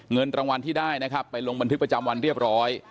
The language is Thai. เงินรางวัลที่ได้นะครับไปลงบันทึกประจำวันเรียบร้อย